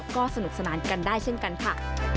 ก็สนุกสนานกันได้เช่นกันค่ะ